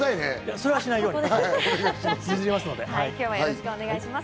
それはしないようにします。